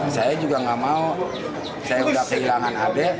saya juga nggak mau saya udah kehilangan abek